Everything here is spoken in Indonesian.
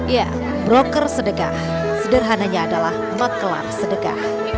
ya broker sedekah sederhananya adalah maklarm sedekah